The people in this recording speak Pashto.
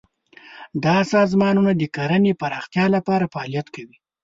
دا سازمانونه د کرنې پراختیا لپاره فعالیت کوي.